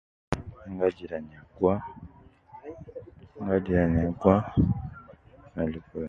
Ana ajira nyagwa, ana ajira nyagwa.